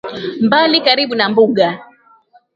mbali karibu na mbuga